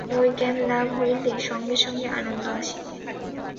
এই জ্ঞানলাভ হইলে সঙ্গে সঙ্গে আনন্দ আসিবে।